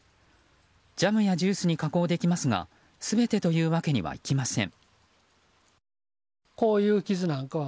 ジャムやジュースに加工できますが全てというわけにはいきません。